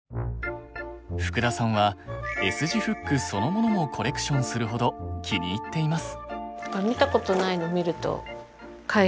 福田さんはＳ字フックそのものもコレクションするほど気に入っています。